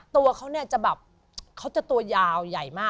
ตัวเขาเนี่ยจะแบบเขาจะตัวยาวใหญ่มาก